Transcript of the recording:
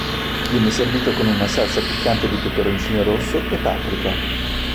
Viene servito con una salsa piccante di peperoncino rosso e paprica.